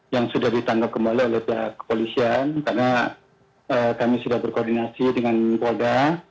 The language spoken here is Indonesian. yang sudah ditangkap kembali oleh pihak kepolisian karena kami sudah berkoordinasi dengan polda